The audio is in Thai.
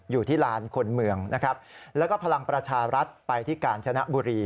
อยู่ที่ลานคนเมืองนะครับแล้วก็พลังประชารัฐไปที่กาญชนะบุรี